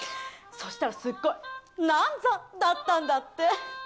そしたらすっごい難産だったんだって。